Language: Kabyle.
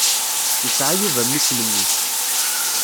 Yesɛa Yuba mmi-s n mmi-s.